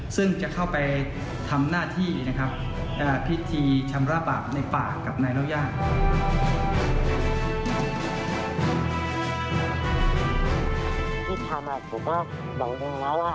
ซึ่งจะเข้าไปทำหน้าที่นะครับพิธีชำระบาปในป่ากับนายเล่าย่าง